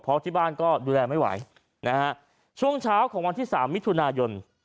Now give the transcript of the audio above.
เพราะที่บ้านก็ดูแลไม่ไหวนะฮะช่วงเช้าของวันที่สามมิถุนายน